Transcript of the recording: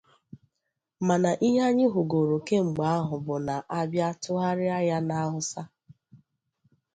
Mana ihe anyị hụgoro kemgbe ahụ bụ na a bịa tụgharịa ya na Hausa